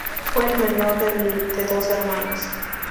Fue el menor de dos hermanos.